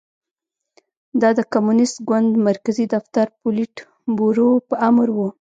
دا د کمونېست ګوند مرکزي دفتر پولیټ بورو په امر و